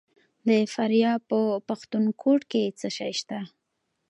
د فاریاب په پښتون کوټ کې څه شی شته؟